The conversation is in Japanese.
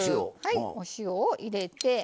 お塩を入れて。